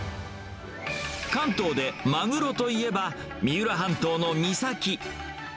関東でまぐろといえば、三浦半島の三崎。